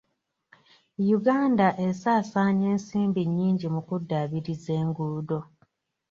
Uganda esaasaanya ensimbi nnyingi mu kuddaabiriza enguudo.